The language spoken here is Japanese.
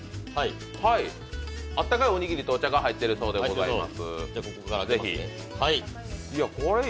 あったかいおにぎりとお茶が入ってるそうです。